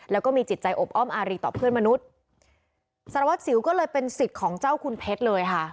แล้วก็มีจิตใจอบอ้อมอารีต่อเพื่อนมนุษย์สารวัสสิวก็เลยเป็นสิทธิ์ของเจ้าคุณเพชรเลยค่ะ